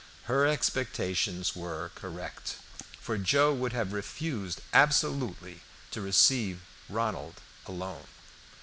Her expectations were correct, for Joe would have refused absolutely to receive Ronald alone.